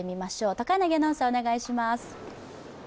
高柳アナウンサー、お願いします。